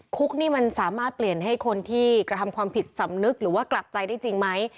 คุกนี่มันสามารถเปลี่ยนให้คนที่กระทำความผิดสำนึกหรือว่ากลับใจได้จริงไหม